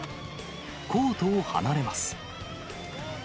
コートを離れます。